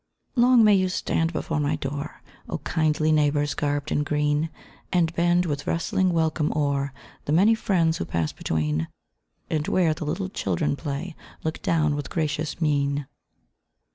Long may you stand before my door, Oh, kindly neighbours garbed in green, And bend with rustling welcome o'er The many friends who pass between; And where the little children play Look down with gracious mien.